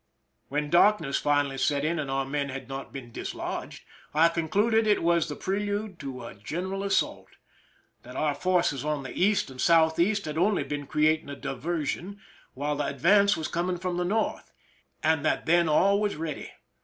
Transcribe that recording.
When darkness finally set in, and our men had not been dislodged, I concluded it was the prelude to a general assault— that our forces on the east and southeast had only been creating a diversion while the advance was coming from the north, and that then all was ready.